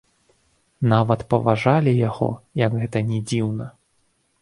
Нават паважалі яго, як гэта ні дзіўна.